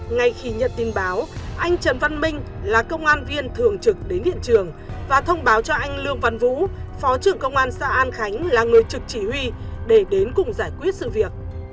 ngay khi nhận tin báo anh trần văn minh là công an viên thường trực đến hiện trường và thông báo cho anh lương văn vũ phó trưởng công an xã an khánh là người trực chỉ huy để đến cùng giải quyết sự việc